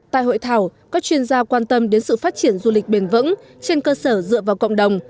tại hội thảo các chuyên gia quan tâm đến sự phát triển du lịch bền vững trên cơ sở dựa vào cộng đồng